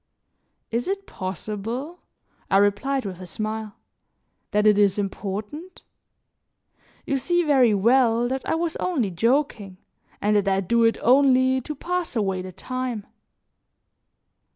"Is it possible," I replied with a smile, "that it is important? You see very well, that I was only joking, and that I do it only to pass away the time."